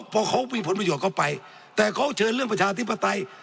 พอเขามีผลประโยชน์เข้าไปแต่เขาเชิญเรื่องประชาธิปไตย